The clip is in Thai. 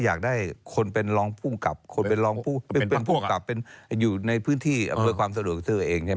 อยากได้คนเป็นรองผู้กลับอยู่ในพื้นที่เพื่อความสะดวกของเธอเอง